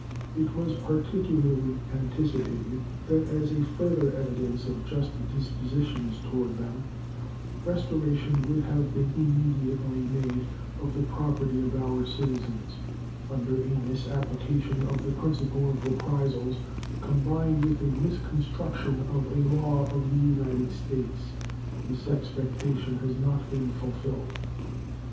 It was particularly anticipated that, as a further evidence of just dispositions toward them, restoration would have been immediately made of the property of our citizens under a misapplication of the principle of reprisals combined with a misconstruction of a law of the United States. This expectation has not been fulfilled.